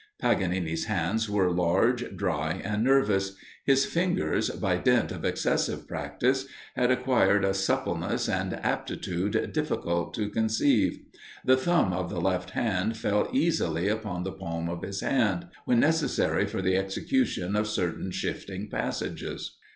Paganini's hands were large, dry, and nervous. His fingers, by dint of excessive practice, had acquired a suppleness and aptitude difficult to conceive. The thumb of the left hand fell easily upon the palm of his hand, when necessary for the execution of certain shifting passages.